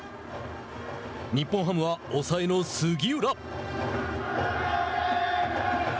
日本ハムは抑えの杉浦。